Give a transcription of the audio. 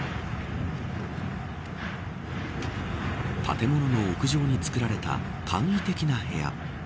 建物の屋上に造られた簡易的な部屋。